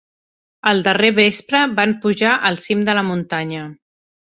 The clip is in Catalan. El darrer vespre van pujar al cim de la muntanya.